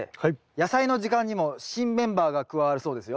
「やさいの時間」にも新メンバーが加わるそうですよ。